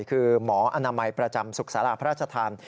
คือหมออนามัยประจำศุกรสารพระราชทัน